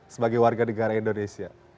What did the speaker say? sebagai warga negara indonesia